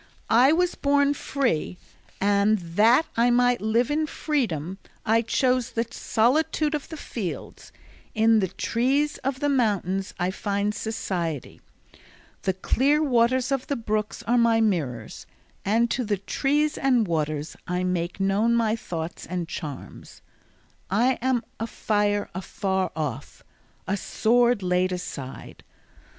I was born free, and that I might live in freedom I chose the solitude of the fields; in the trees of the mountains I find society, the clear waters of the brooks are my mirrors, and to the trees and waters I make known my thoughts and charms. I am a fire afar off, a sword laid aside.